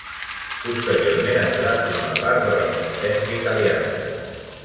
Posteriorment entrà a formar part de la resistència italiana.